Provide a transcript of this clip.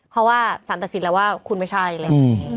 เพราะว่าสันตสินแล้วว่าคุณไม่ใช่เลย